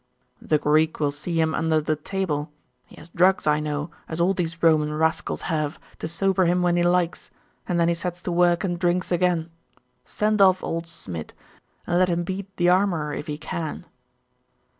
'The Greek will see him under the table. He has drugs, I know, as all these Roman rascals have, to sober him when he likes; and then he sets to work and drinks again. Send off old Smid, and let him beat the armourer if he can.